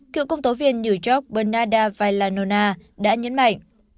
cựu công tố viên new york bernarda vailanona đã nhấn mạnh